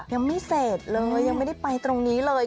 ยังไม่เสร็จเลยยังไม่ได้ไปตรงนี้เลย